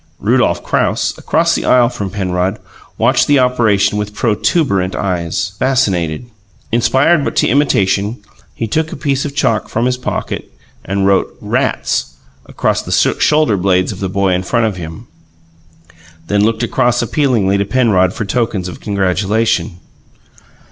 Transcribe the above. Rudolph Krauss, across the aisle from Penrod, watched the operation with protuberant eyes, fascinated. Inspired to imitation, he took a piece of chalk from his pocket and wrote "RATS" across the shoulder blades of the boy in front of him, then looked across appealingly to Penrod for tokens of congratulation.